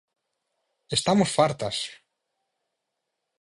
Estamos fartas!